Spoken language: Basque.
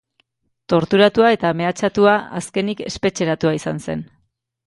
Torturatua eta mehatxatua, azkenik, espetxeratua izan zen.